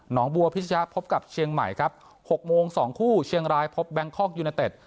บัวพิชยะพบกับเชียงใหม่ครับ๖โมง๒คู่เชียงรายพบแบงคอกยูเนเต็ด